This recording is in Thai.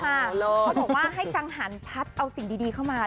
เขาบอกว่าให้กังหันพัดเอาสิ่งดีเข้ามา